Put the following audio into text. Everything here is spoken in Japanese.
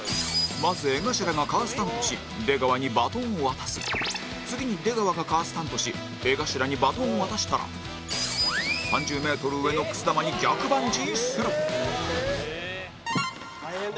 まず、江頭がカースタントし出川にバトンを渡す次に、出川がカースタントし江頭にバトンを渡したら３０ｍ上のくす玉に逆バンジーする有吉：大変だ。